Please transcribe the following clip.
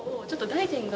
大臣が？